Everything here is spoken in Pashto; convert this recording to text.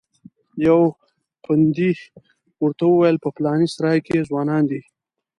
یوه پندي ورته وویل په پلانې سرای کې ځوانان دي.